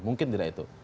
mungkin tidak itu